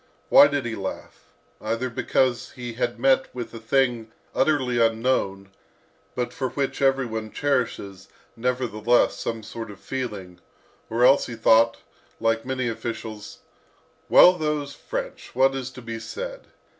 Why did he laugh? Either because he had met with a thing utterly unknown, but for which every one cherishes, nevertheless, some sort of feeling, or else he thought, like many officials, "Well, those French! What is to be said?